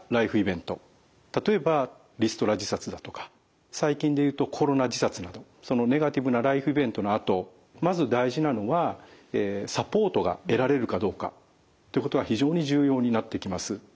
例えばリストラ自殺だとか最近で言うとコロナ自殺などそのネガティブなライフイベントのあとまず大事なのはサポートが得られるかどうかってことが非常に重要になってきます。